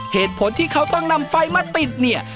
เหตุผลที่เขาต้องนำไฟมาติดเนี่ย